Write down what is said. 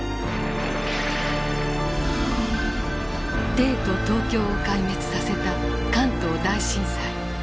帝都東京を壊滅させた関東大震災。